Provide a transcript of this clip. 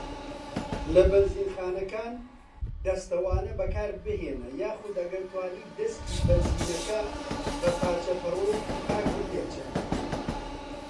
لە بەنزینخانەکان، دەستەوانە بەکاربهینە یاخود ئەگەر توانیت دەسکی بەنزینەکە بە پارچە پەڕۆیەکی پاک بپێچە.